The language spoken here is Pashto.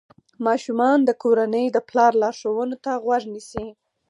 ماشومان د کورنۍ د پلار لارښوونو ته غوږ نیسي.